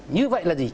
như vậy là gì